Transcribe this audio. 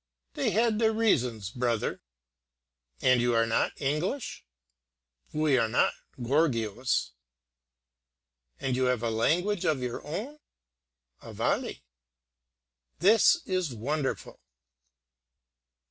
"They had their reasons, brother." "And you are not English?" "We are not gorgios." "And you have a language of your own?" "Avali." "This is wonderful."